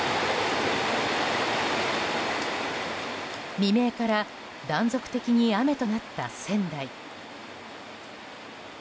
未明から断続的に雨となった仙台。